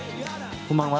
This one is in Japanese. こんばんは。